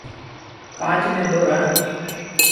کآݩچ ميݩ ڏور هڻ۔